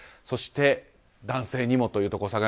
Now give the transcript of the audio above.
そして、男性にもというところ。